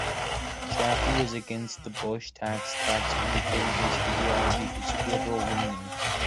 Chafee is against the Bush tax cuts, indicating his ideology is liberal-leaning.